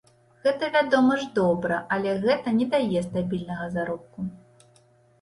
Гэта, вядома ж, добра, але гэта не дае стабільнага заробку.